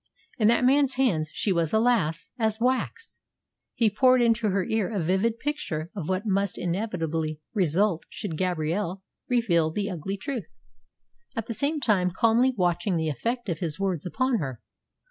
In that man's hands she was, alas! as wax. He poured into her ear a vivid picture of what must inevitably result should Gabrielle reveal the ugly truth, at the same time calmly watching the effect of his words upon her.